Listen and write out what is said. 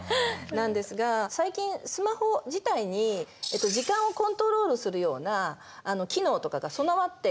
なんですが最近スマホ自体に時間をコントロールするような機能とかが備わっているんですよ。